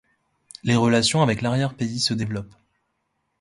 Les relations avec l'arrière-pays se développent.